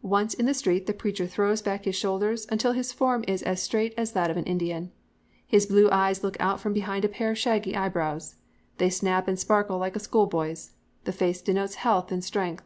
Once in the street the preacher throws back his shoulders until his form is as straight as that of an Indian. His blue eyes look out from behind a pair of shaggy eyebrows. They snap and sparkle like a schoolboy's. The face denotes health and strength.